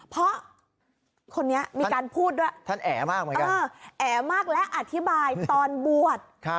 เพราะคนนี้มีการพูดด้วยแอมากแล้วอธิบายตอนบวช